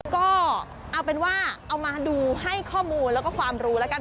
ก็เอาเป็นว่าเอามาดูให้ข้อมูลแล้วก็ความรู้แล้วกัน